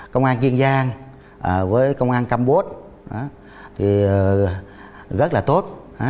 công an kiên giang với công an campuchia thì rất là tốt